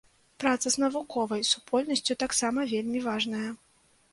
Праца з навуковай супольнасцю таксама вельмі важная.